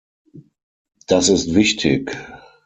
Das ist wichtig.